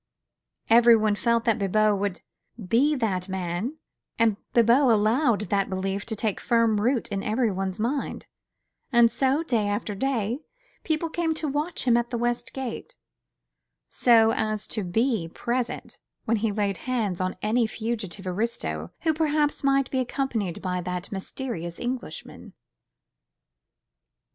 Everyone felt that Bibot would be that man, and Bibot allowed that belief to take firm root in everybody's mind; and so, day after day, people came to watch him at the West Gate, so as to be present when he laid hands on any fugitive aristo who perhaps might be accompanied by that mysterious Englishman.